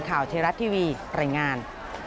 เทราะทีวีรายงาน